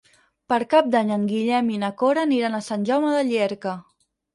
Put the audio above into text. Per Cap d'Any en Guillem i na Cora aniran a Sant Jaume de Llierca.